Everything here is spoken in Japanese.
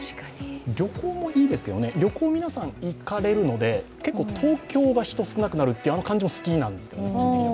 旅行もいいですけど、旅行皆さん行かれるので結構、東京が人が少なくなる感じも好きなんですよね。